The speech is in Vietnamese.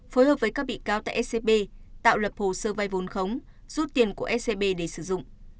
phối hợp với các bị cáo tại scb tạo lập hồ sơ vay vốn khống rút tiền của scb để sử dụng